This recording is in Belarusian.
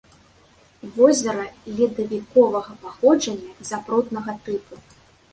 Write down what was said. Возера ледавіковага паходжання, запруднага тыпу.